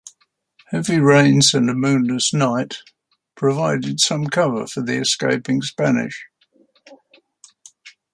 Heavy rains and a moonless night provided some cover for the escaping Spanish.